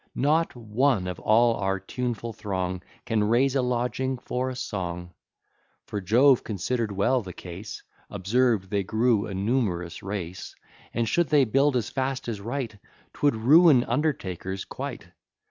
Not one of all our tuneful throng Can raise a lodging for a song. For Jove consider'd well the case, Observed they grew a numerous race; And should they build as fast as write, 'Twould ruin undertakers quite.